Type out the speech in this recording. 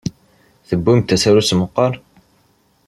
Tewwim-d tasarut meqqar?